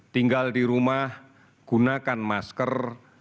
tinggal di rumah gunakan masker